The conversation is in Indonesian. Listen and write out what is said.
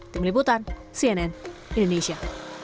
demi liputan cnn indonesia